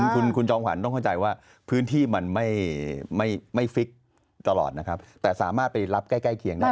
คุณจอมขวัญต้องเข้าใจว่าพื้นที่มันไม่ฟิกตลอดนะครับแต่สามารถไปรับใกล้เคียงได้